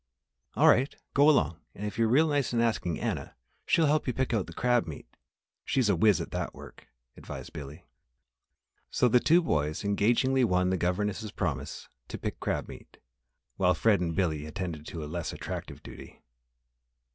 "All right, go along; and if you're real nice in asking Anna, she'll help you pick out the crab meat. She's a wiz. at that work," advised Billy. So the two boys engagingly won the governess' promise to pick crab meat, while Fred and Billy attended to a less attractive duty.